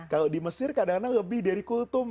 kalau di mesir kadang kadang lebih dari kultum